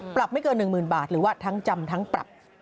ปรับไม่เกิน๑๐๐๐บาทหรือว่าทั้งจำทั้งปรับ